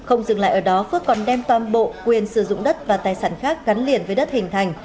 ở đó phước còn đem toàn bộ quyền sử dụng đất và tài sản khác gắn liền với đất hình thành